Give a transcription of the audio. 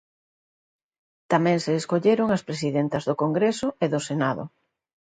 Tamén se escolleron as presidentas do Congreso e do Senado.